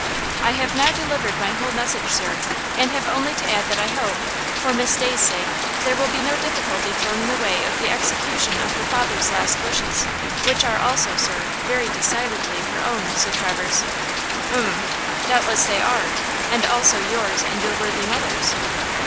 "I have now delivered my whole message, sir, and have only to add that I hope, for Miss Day's sake, there will be no difficulty thrown in the way of the execution of her father's last wishes, which are also, sir, very decidedly her own," said Traverse. "Umm! doubtless they are–and also yours and your worthy mother's."